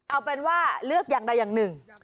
เอาเป็นว่าเลือกอย่างใดอย่างหนึ่ง